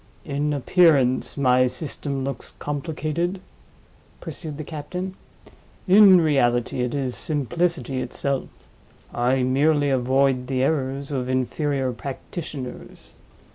"In appearance, my system looks complicated?" pursued the captain. "In reality, it is simplicity itself. I merely avoid the errors of inferior practitioners.